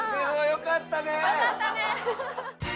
よかったね！